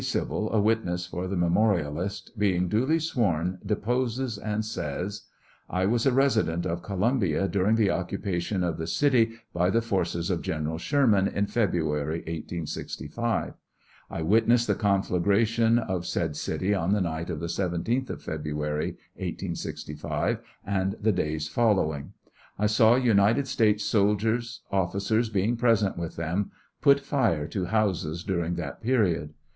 Civil, a witness for tjie memorialist, being duly sworn, deposes and says : I was a resident of Columbia during the occupation of the city by the forces of General Sherman, in Feb ruary, 1865. I witnessed the conflagration of said city on the night of the 17th of February, 1865, and the days following. I saw United States soldiers, officers being present with them, put fire to houses during that period.